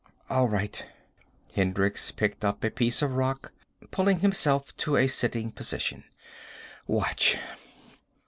"All right." Hendricks picked up a piece of rock, pulling himself to a sitting position. "Watch."